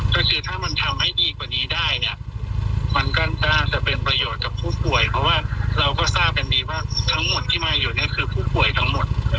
ก็คือถ้ามันทำให้ดีกว่านี้ได้เนี่ยมันก็น่าจะเป็นประโยชน์กับผู้ป่วยเพราะว่าเราก็ทราบกันดีว่าทั้งหมดที่มาอยู่เนี่ยคือผู้ป่วยทั้งหมด